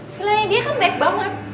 sebenarnya dia kan baik banget